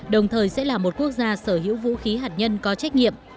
đồng thời sẽ là một quốc gia sở hữu vũ khí hạt nhân có trách nhiệm